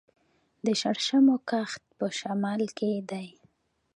د شړشمو کښت په شمال کې دی.